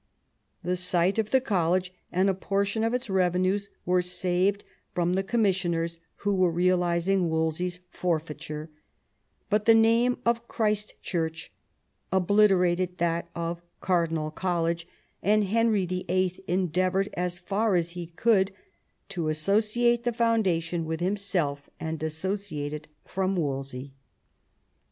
The site of the college and a portion of its revenues were saved from the com missioners who were realising Wolsey's forfeiture ; but the name of Christ Church obliterated that of Cardinal College, and Henry YHL endeavoured as far as he could to associate the foundation with himself and dissociate it from Wolsey.